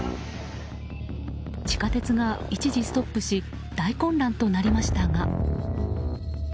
地下鉄が一時ストップし大混乱となりましたが。